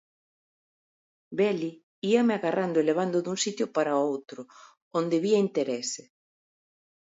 Beli íame agarrando e levando dun sitio para outro, onde vía interese.